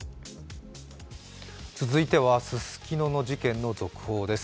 続いては、ススキノの事件の続報です。